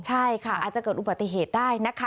ใช่ค่ะอาจจะเกิดอุบัติเหตุได้นะคะ